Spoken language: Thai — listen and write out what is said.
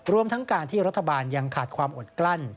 รวมทั้งการที่รัฐบาลยังขาดความอดกลั้น